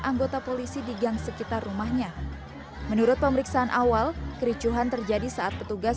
anggota polisi di gang sekitar rumahnya menurut pemeriksaan awal kericuhan terjadi saat petugas